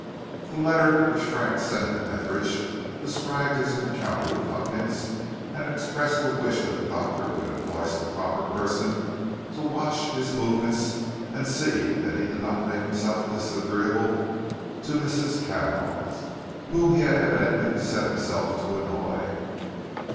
The letter which Frank sent to Edgar described his encounter with Huckins, and expressed a wish that the Doctor would employ some proper person to watch his movements and see that he did not make himself disagreeable to the Misses Cavanagh, whom he had evidently set himself to annoy.